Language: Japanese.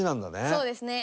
そうですね。